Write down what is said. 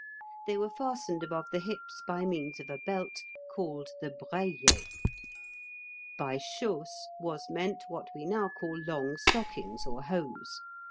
They were fastened above the hips by means of a belt called the braier. "By chausses was meant what we now call long stockings or hose.